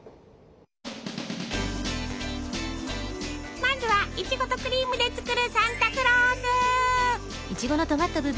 まずはいちごとクリームで作るサンタクロース！